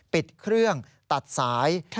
ปิดเครื่องตัดสาย